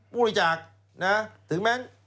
บริจาคนะถึงแม้